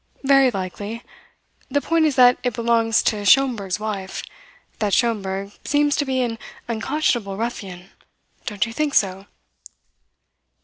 "Very likely. The point is that it belongs to Schomberg's wife. That Schomberg seems to be an unconscionable ruffian don't you think so?"